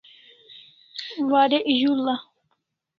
Warek z'ula